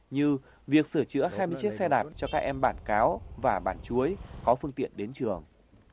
như việc sửa chữa hai mươi chiếc xe đạp cho các em bản cáo và bản chuối có phương tiện đến trường